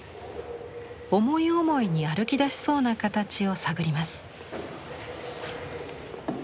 思い思いに歩きだしそうな形を探ります。